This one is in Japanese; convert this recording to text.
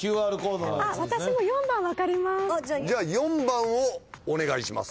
じゃあ４番をお願いします。